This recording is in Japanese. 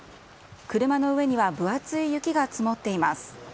車の上には分厚い雪が積もっています。